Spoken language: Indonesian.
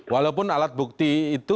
walaupun alat bukti itu